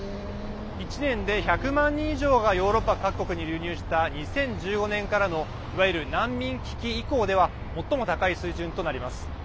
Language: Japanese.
１年で１００万人以上がヨーロッパ各国に流入した２０１５年からのいわゆる難民危機以降では最も高い水準となります。